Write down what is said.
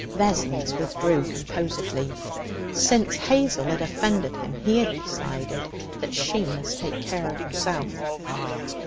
Vessons withdrew composedly. Since Hazel had offended him, he had decided that she must take care of herself.